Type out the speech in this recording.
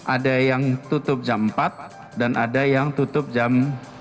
ada yang tutup jam empat dan ada yang tutup jam